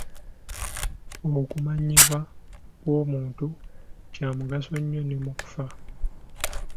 Okumanyibwa kw'omuntu kya mugaso nnyo ne mu kufa.